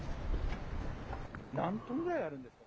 何トンぐらいあるんですか？